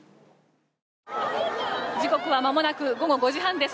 時刻はまもなく午後５時半です。